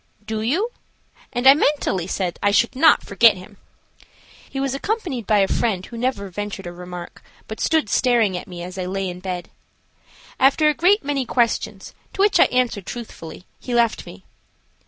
"Do you?" and I mentally said I should not forget him. He was accompanied by a friend who never ventured a remark, but stood staring at me as I lay in bed. After a great many questions, to which I answered truthfully, he left me.